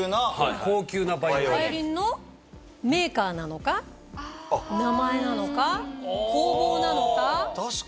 バイオリンのメーカーなのか名前なのか工房なのか。